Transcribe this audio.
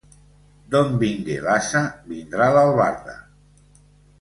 D'on vingué l'ase, vindrà l'albarda.